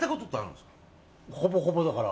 ほぼほぼだから。